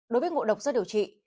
đối với ngộ độc do điều trị